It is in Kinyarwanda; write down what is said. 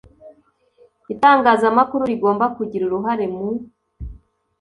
itangazamakuru rigomba kugira uruhare mu